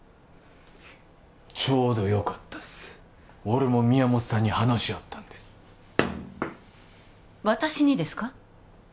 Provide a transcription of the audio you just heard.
ちょうどよかったっす俺も宮本さんに話あったんで私にですか？